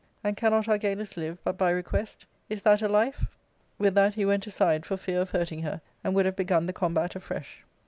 And cannot Argalus live but by request ? Is that a life T\ With that he went aside, for fear of hurting her, and would have begun the combat afresh.